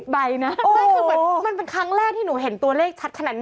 ไม่ค่ะมันเป็นครั้งแรกที่หนูเห็นตัวเลขชัดขนาดนี้